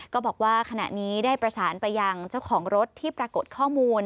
ก็บอกว่าขณะนี้ได้ประสานไปยังเจ้าของรถที่ปรากฏข้อมูล